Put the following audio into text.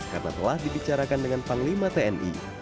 karena telah dibicarakan dengan panglima tni